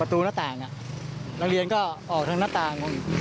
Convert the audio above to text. หน้าต่างนักเรียนก็ออกทางหน้าต่าง